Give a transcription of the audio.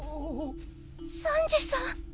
サンジさん。